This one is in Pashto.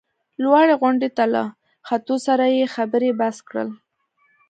لوړې غونډۍ ته له ختو سره یې خبرې بس کړل.